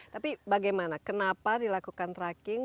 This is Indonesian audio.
tapi bagaimana kenapa dilakukan tracking